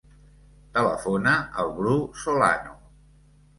Telefona al Bru Solano.